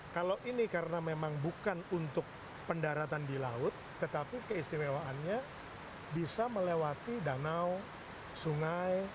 kalau ini karena memang bukan untuk pendaratan di laut tetapi keistimewaannya bisa melewati danau sungai